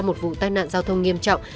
một vụ tai nạn giao thông nghiêm trọng